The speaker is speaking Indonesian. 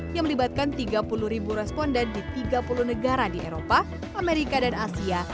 yang melibatkan tiga puluh ribu responden di tiga puluh negara di eropa amerika dan asia